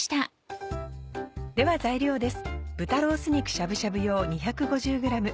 では材料です。